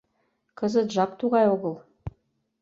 Кызыт жап тугай огыл.